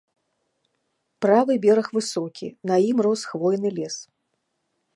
Правы бераг высокі, на ім рос хвойны лес.